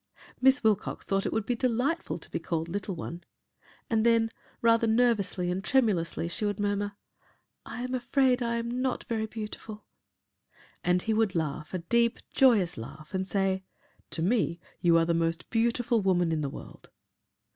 Miss Wilcox thought it would be delightful to be called "little one." And then, rather nervously and tremulously, she would murmur, "I am afraid I am not very beautiful," and he would laugh a deep, joyous laugh and say, "To me, you are the most beautiful woman in the world."